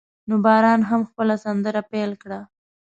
نو باران هم خپل سندره پیل کړه.